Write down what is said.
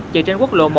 chạy trên quốc lộ một